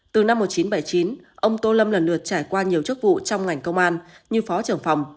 từ năm một nghìn chín trăm bảy mươi chín ông tô lâm lần lượt trải qua nhiều chức vụ trong ngành công an như phó trưởng phòng